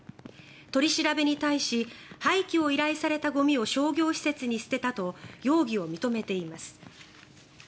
取り調べに対し廃棄を依頼されたゴミを商業施設に捨てたと容疑を認めています。